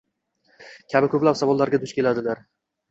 kabi ko‘plab savollarga duch keladilar.